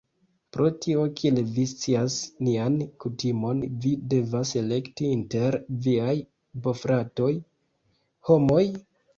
Pro tio, kiel vi scias nian kutimon vi devas elekti inter viaj bofratoj. Homoj?